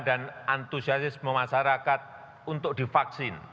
dan antusiasisme masyarakat untuk divaksin